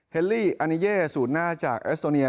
เฮลลี่อันีเยี่สุดหน้าจากอัตสโนเนีย